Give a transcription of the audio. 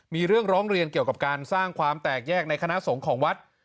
มีเรื่องร้องเรียนเกี่ยวกับการสร้างความแตกแยกในคณะสงฆ์ของวัด